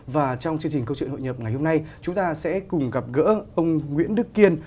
và trong chương trình câu chuyện hội nhập ngày hôm nay chúng ta sẽ cùng gặp gỡ ông nguyễn đức kiên